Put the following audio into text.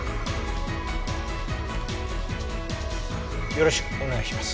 よろしくお願いします。